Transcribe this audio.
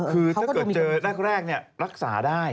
คือถ้าเกิดเจอแรกรักษาได้